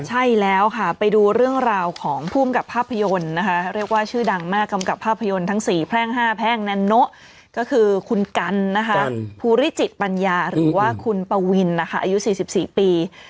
ใช่แล้วค่ะไปดูเรื่องราวของภูมิกับภาพยนตร์นะคะเรียกว่าชื่อดังมากกำกับภาพยนตร์ทั้ง๔แพร่ง๕แพร่งแนนโนะก็คือคุณกันนะคะภูริจิตปัญญาหรือว่าคุณปวินนะคะอายุ๔๔ปี